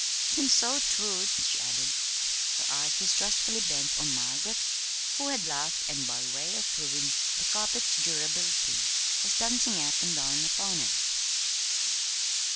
"Seems so 'twould," she added, her eyes distrustfully bent on Margaret who had laughed, and by way of proving the carpet's durability, was dancing up and down upon it.